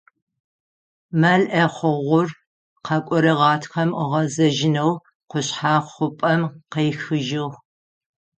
Мэл ӏэхъогъур къэкӏорэ гъатхэм ыгъэзэжьынэу къушъхьэ хъупӏэм къехыжьыгъ.